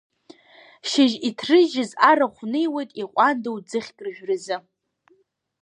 Шьыжь иҭрыжьыз арахә неиуеит иҟәандоу ӡыхьк рыжәразы.